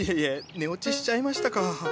寝落ちしちゃいましたか！